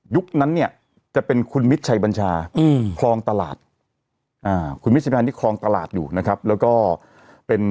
ยุคนั้นเนี่ยจะเป็นคุณมิตรชัยบัญชาครองตลาดคุณมิตรชัยบัญชานี่ครองตลาดอยู่นะครับแล้วก็